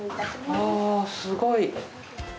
ああ、すごい！